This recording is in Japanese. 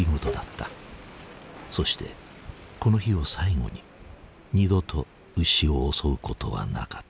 そしてこの日を最後に二度と牛を襲うことはなかった。